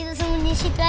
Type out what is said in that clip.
tunggu dam coba